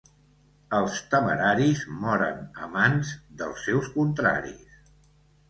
Els temeraris moren a mans dels seus contraris.